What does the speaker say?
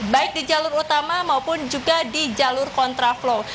baik di jalur utama maupun juga di jalur kontraflow